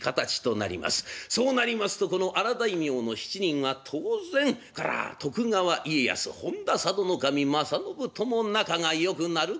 そうなりますとこの荒大名の７人は当然こらあ徳川家康本多佐渡守正信とも仲がよくなることになる。